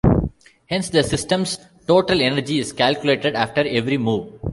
Hence, the system's total energy is calculated after every move.